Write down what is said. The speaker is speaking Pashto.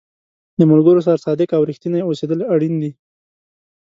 د ملګرو سره صادق او رښتینی اوسېدل اړین دي.